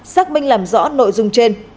xác minh làm rõ nội dung trên